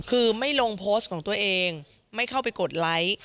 คือไม่ลงโพสต์ของตัวเองไม่เข้าไปกดไลค์